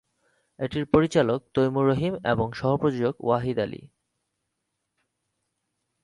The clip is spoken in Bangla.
এটির পরিচালক তৈমুর রহিম এবং সহ-প্রযোজক ওয়াহিদ আলী।